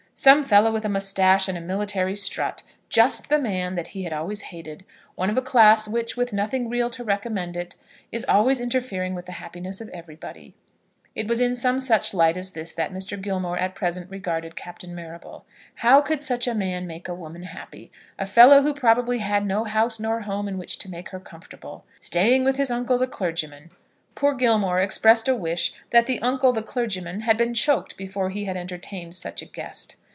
Some fellow with a moustache and a military strut just the man that he had always hated; one of a class which, with nothing real to recommend it, is always interfering with the happiness of everybody. It was in some such light as this that Mr. Gilmore at present regarded Captain Marrable. How could such a man make a woman happy, a fellow who probably had no house nor home in which to make her comfortable? Staying with his uncle the clergyman! Poor Gilmore expressed a wish that the uncle the clergyman had been choked before he had entertained such a guest.